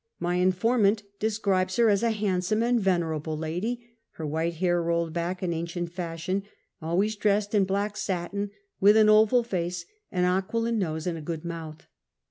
My informant describes her as a handsome and venerable lady, her white hair rolled back in ancient fashion, always dressed in black satin, with an oval face, an aquiline nos^, and a good mouth.